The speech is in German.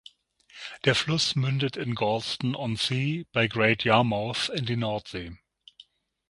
Der Fluss mündet in Gorleston-on-Sea bei Great Yarmouth in die Nordsee.